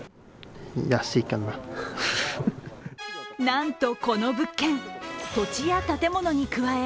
なんとこの物件、土地や建物に加え